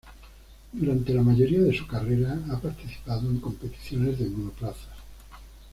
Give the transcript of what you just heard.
Durante la mayoría de su carrera, ha participado en competiciones de monoplazas.